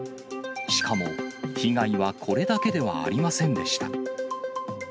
しかも被害はこれだけではありませんでした。